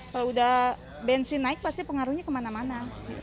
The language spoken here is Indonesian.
kalau udah bensin naik pasti pengaruhnya kemana mana